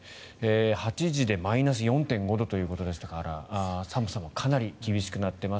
８時でマイナス４．５度ということでしたから寒さもかなり厳しくなっています。